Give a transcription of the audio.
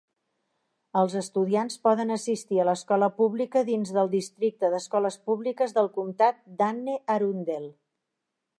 Els estudiants poden assistir a l'escola pública dins del districte d'escoles públiques del comtat d'Anne Arundel.